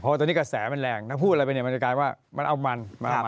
เพราะตอนนี้กระแสมันแรงนะพูดอะไรไปเนี่ยมันจะกลายว่ามันเอามันมา